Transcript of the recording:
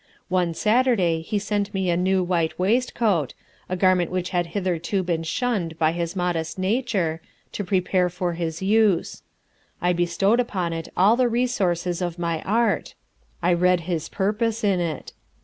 One Saturday he sent me a new white waistcoat, a garment which had hitherto been shunned by his modest nature, to prepare for his use. I bestowed upon it all the resources of my art; I read his purpose in it.